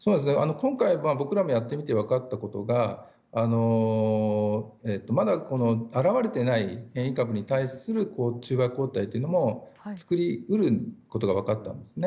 今回僕らもやってみて分かったのはまだ現れていない変異株に対する中和抗体というのも作り得ることが分かったんですね。